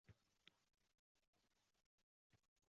Ushbu lahzada zal ahli yana o‘zga manzaraga ko‘chish qilishdi.